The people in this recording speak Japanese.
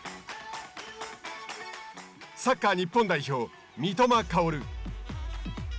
サッカー日本代表、三笘薫。